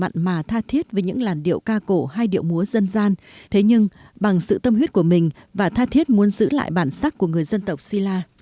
bà vẫn còn mặn mà tha thiết với những làn điệu ca cổ hay điệu múa dân gian thế nhưng bằng sự tâm huyết của mình và tha thiết muốn giữ lại bản sắc của người dân tộc si la